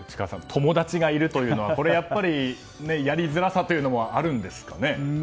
友達がいるというのはこれはやりづらさというのもあるんですかね？